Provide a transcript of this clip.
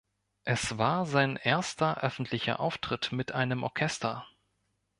Es war sein erster öffentlicher Auftritt mit einem Orchester.